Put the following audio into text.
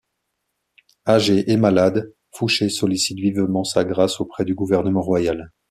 Âgé et malade, Foucher sollicite vivement sa grâce auprès du gouvernement royal.